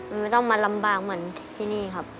มันไม่ต้องมาลำบากเหมือนที่นี่ครับ